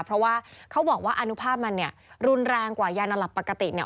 เพราะว่าเขาบอกว่าอนุภาพมันเนี่ยรุนแรงกว่ายานอนหลับปกติเนี่ย